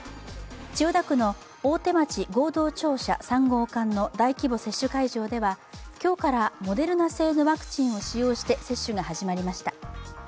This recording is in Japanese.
千代田区の大手町合同庁舎３号館の大規模接種会場では今日からモデルナ製のワクチンを使用して接種が始まりました。